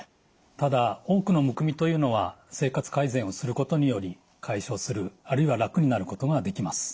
ただ多くのむくみというのは生活改善をすることにより解消するあるいは楽になることができます。